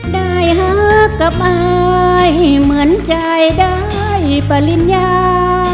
ได้หากับอายเหมือนใจได้ปริญญา